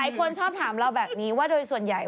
คนชอบถามเราแบบนี้ว่าโดยส่วนใหญ่